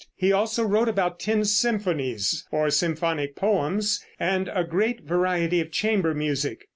He also wrote about ten symphonies or symphonic poems, and a great variety of chamber music.